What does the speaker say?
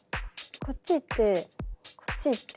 こっち行ってこっち行って。